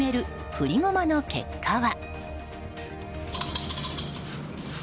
振り駒の結果は。